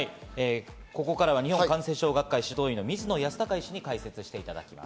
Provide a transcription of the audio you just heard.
ここからは日本感染症学会・指導医の水野泰孝医師に解説していただきます。